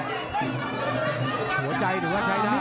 หัวใจหนูก็ใช้ได้